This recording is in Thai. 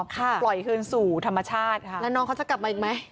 ปล่อยคืนสู่ธรรมชาติค่ะแล้วน้องเขาจะกลับมาอีกไหม